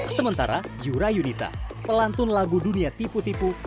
sementara yura yunita pelantun lagu dunia tipu tipu